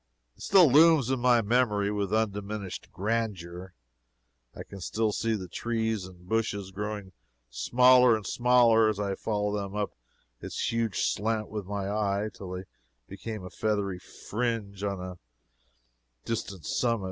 It still looms in my memory with undiminished grandeur. I can still see the trees and bushes growing smaller and smaller as I followed them up its huge slant with my eye, till they became a feathery fringe on the distant summit.